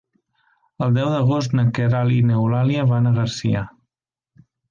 El deu d'agost na Queralt i n'Eulàlia van a Garcia.